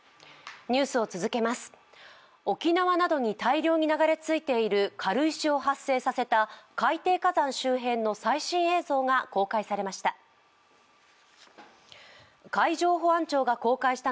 沖縄などに大量に流れ着いている軽石を発生させた海底火山周辺の最新映像が公開されました。